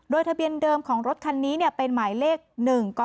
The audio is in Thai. โดยทะเบียนเดิมของรถคันนี้เป็นหมายเลข๑๙